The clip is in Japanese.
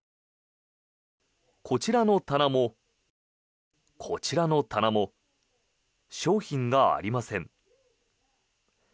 こちらの棚も、こちらの棚も商品がありません。